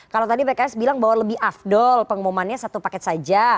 kalau tadi pks bilang bahwa lebih afdol pengumumannya satu paket saja